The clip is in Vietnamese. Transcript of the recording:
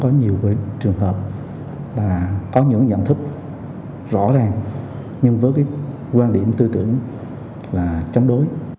có nhiều trường hợp là có những nhận thức rõ ràng nhưng với cái quan điểm tư tưởng là chống đối